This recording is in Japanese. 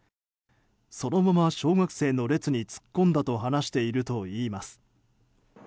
そのまま小学生の列に突っ込んだと話しているといいます。